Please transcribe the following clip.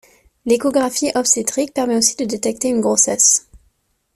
L'échographie obstétrique permet aussi de détecter une grossesse.